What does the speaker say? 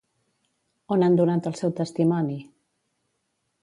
On han donat el seu testimoni?